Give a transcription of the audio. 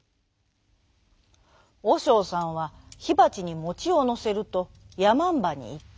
おしょうさんはひばちにもちをのせるとやまんばにいった。